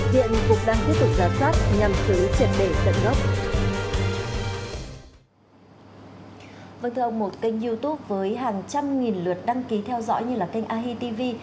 vâng thưa ông một kênh youtube với hàng trăm nghìn lượt đăng ký theo dõi như là kênh ahi tv